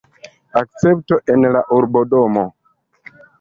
Akcepto en la urbodomo.